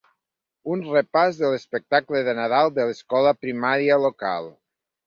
Un repàs de l'espectacle de Nadal de l'escola primària local.